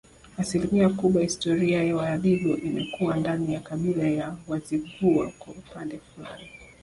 Asilimia kubwa historia ya Wadigo imekuwa ndani ya kabila la Wazigua kwa upande fulani